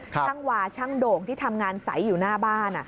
ช่างวาช่างโด่งที่ทำงานใสอยู่หน้าบ้าน